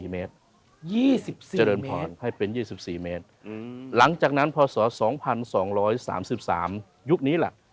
๒๔เมตรอเจ้าพญาจะเดินผ่อนให้เป็น๒๔เมตรหลังจากนั้นพศ๒๒๓๓ยุคนี้ล่ะ